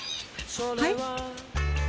はい？